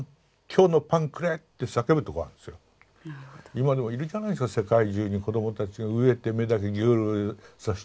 今でもいるじゃないですか世界中に子どもたちが飢えて目だけギョロギョロさせてね。